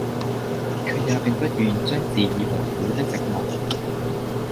卻也並不願將自以爲苦的寂寞，